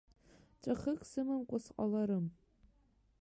Ҵәахык сымамкәа сҟаларым.